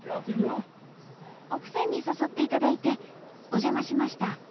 奥さんに誘っていただいてお邪魔しました。